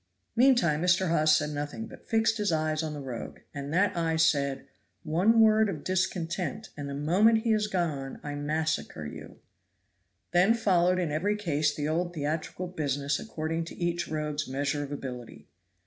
Meantime Mr. Hawes said nothing, but fixed his eye on the rogue, and that eye said, "One word of discontent and the moment he is gone I massacre you." Then followed in every case the old theatrical business according to each rogue's measure of ability.